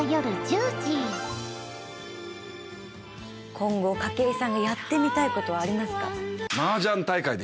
今後筧さんがやってみたいことはありますか？